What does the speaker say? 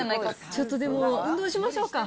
ちょっとでも、運動しましょうか。